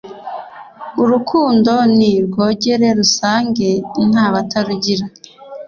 urukundo ni rwogere rusange ntabatarugira !